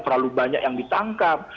terlalu banyak yang ditangkap